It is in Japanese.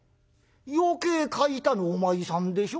「余計欠いたのお前さんでしょ？